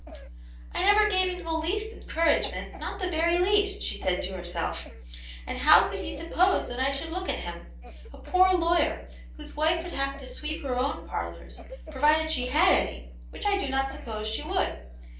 " I never gave him the least encouragement, not the very least," she said to herself, "And how could he s\\^^o^(^ that 1 s\vou\di \ocJ«. ^X \oc«v\ K 1 6 Aunt Jane's Hero, poor lawyer, whose wife would have to sweep her own parlours, provided she had any, which I do not suppose she would.